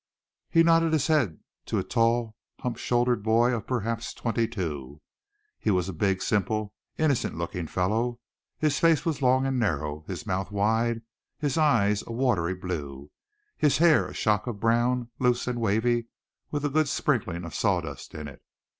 He nodded his head to a tall hump shouldered boy of perhaps twenty two. He was a big, simple, innocent looking fellow. His face was long and narrow, his mouth wide, his eyes a watery blue, his hair a shock of brown, loose and wavy, with a good sprinkling of sawdust in it.